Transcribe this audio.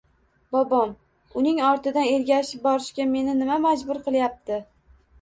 Bobom! Uning ortidan ergashib borishga meni nima majbur qilyapti?